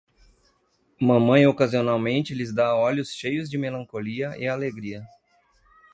Mamãe ocasionalmente lhes dá olhos cheios de melancolia e alegria.